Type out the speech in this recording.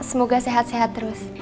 semoga sehat sehat terus